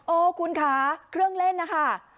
โอ้คุณคะเครื่องเล่นนะคะ